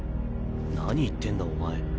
何言ってんだお前